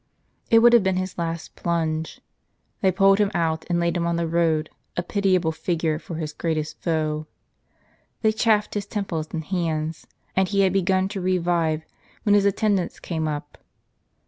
It would have been his last plunge. They pulled him out and laid him on the road, a pitiable figure for his greatest foe. They chafed his temples and hands, and he had begun to revive when his attendants came up.